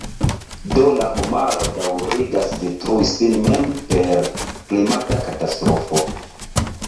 Do la homaro daŭrigas detrui sin mem per klimata katastrofo.